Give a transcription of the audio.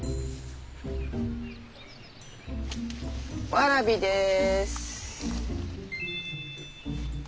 わらびです。